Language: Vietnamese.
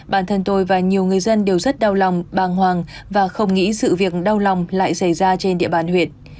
bản thân tôi và nhiều người dân đều rất đau lòng bàng hoàng và không nghĩ sự việc đau lòng lại xảy ra trên địa bàn huyện